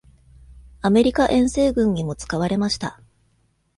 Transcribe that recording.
アメリカ遠征軍にも使われました。